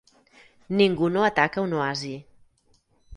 Ningú no ataca un oasi.